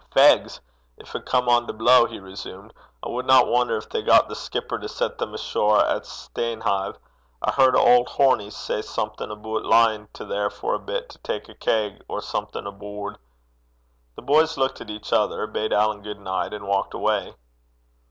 'Fegs! gin 't come on to blaw,' he resumed, 'I wadna wonner gin they got the skipper to set them ashore at Stanehive. I heard auld Horny say something aboot lyin' to there for a bit, to tak a keg or something aboord.' The boys looked at each other, bade Alan good night, and walked away.